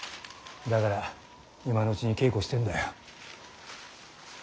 だから今のうちに稽古してんだよ。